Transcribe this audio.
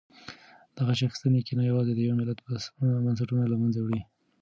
د غچ اخیستنې کینه یوازې د یو ملت بنسټونه له منځه وړي.